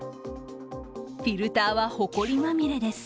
フィルターは、ほこりまみれです。